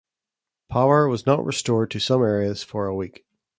Power was not restored to some areas for a week.